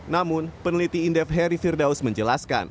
namun peneliti indef heri firdaus menjelaskan